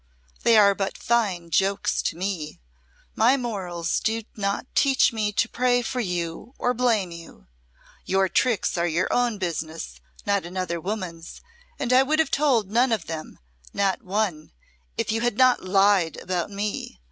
They are but fine jokes to me. My morals do not teach me to pray for you or blame you. Your tricks are your own business, not another woman's, and I would have told none of them not one if you had not lied about me.